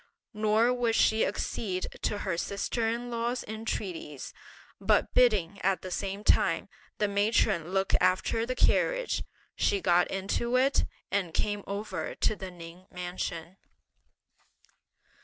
Nor would she accede to her sister in law's entreaties, but bidding, at the same time, the matron look after the carriage, she got into it, and came over to the Ning Mansion.